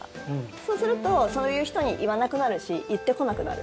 そうするとそういう人に言わなくなるし言ってこなくなる。